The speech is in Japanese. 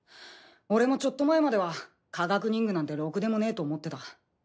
俺もちょっと前までは科学忍具なんてろくでもねえと思ってた。